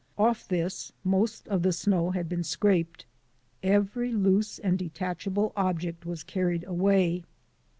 Off this most of the snow had been scraped. Every loose and detach able object was carried away.